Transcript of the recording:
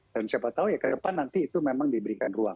dan siapa tahu ya ke depan nanti itu memang diberikan ruang